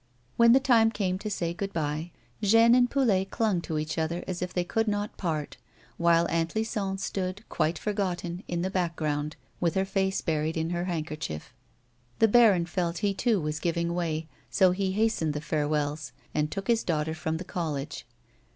When the time came to say good bye, Jeanne and Poulet clung to each other as if they could not part, while Aunt Lison stood, quite forgotten, in the background, with her face buried in her handkerchief. The baron felt he too was giving way, so he hastened the farewells, and took his daughter from the college.